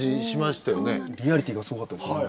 リアリティーがすごかったですよね。